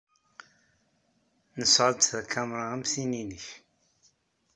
Nesɣa-d takamra am tin-nnek.